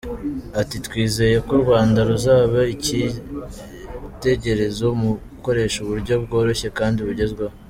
Ati “Twizeye ko u Rwanda ruzaba icyitegererezo mu gukoresha uburyo bworoshye kandi bugezweho.